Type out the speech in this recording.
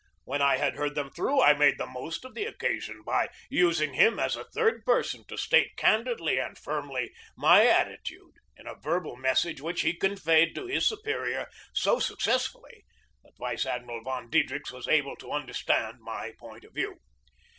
When I had heard them through I made the most of the occasion by using him as a third person to state candidly and firmly my attitude in a verbal message which he conveyed to his superior so successfully that Vice Admiral von Diedrichs was able to understand my point of view.